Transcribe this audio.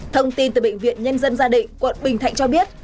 thông tin từ bệnh viện nhân dân gia định quận bình thạnh cho biết